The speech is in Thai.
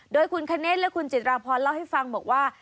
โดยคุณคเนธและคุณจิตราพรเล่าให้ฟังบอกว่า